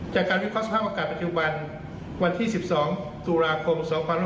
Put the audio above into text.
วิเคราะห์สภาพอากาศปัจจุบันวันที่๑๒ตุลาคม๒๕๖๒